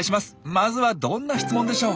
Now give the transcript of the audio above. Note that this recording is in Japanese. まずはどんな質問でしょう？